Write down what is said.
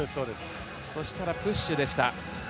そうしたらプッシュでした。